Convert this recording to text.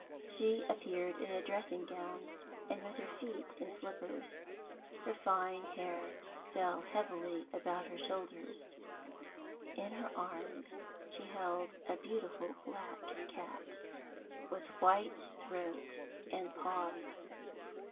She appeared in a dressing gown and with her feet in slippers. Her fine hair fell heavily about her shoulders; in her arms she held a beautiful black cat, with white throat and paws.